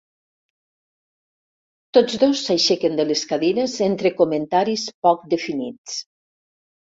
Tots dos s'aixequen de les cadires entre comentaris poc definits.